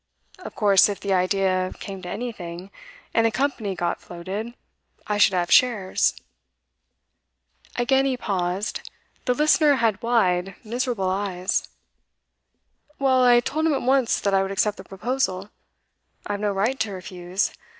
Of course if the idea came to anything, and a company got floated, I should have shares.' Again he paused. The listener had wide, miserable eyes. 'Well, I told him at once that I would accept the proposal. I have no right to refuse.